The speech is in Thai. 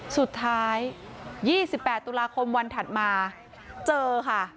สุดท้าย๒๘ตุลาคมวันถัดมาเจอค่ะ